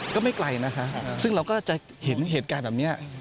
ก็ไม่ไกลนะคะซึ่งเราก็จะเห็นเหตุการณ์แบบนี้